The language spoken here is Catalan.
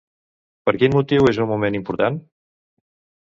Per quin motiu és un moment important?